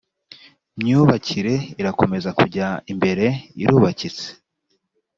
myubakire irakomeza kujya imbere irubakitse